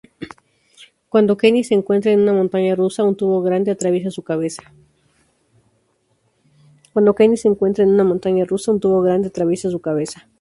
Cuando Kenny se encuentra en una Montaña Rusa, un tubo grande atraviesa su cabeza.